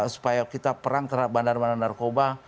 supaya kita perang terhadap bandar bandar narkoba